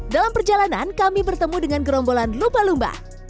dalam perjalanan kami bertemu dengan gerombolan lumba lumba